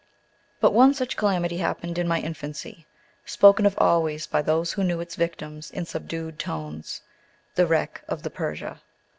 But one such calamity happened in my infancy, spoken of always by those who knew its victims in subdued tones; the wreck of the "Persia."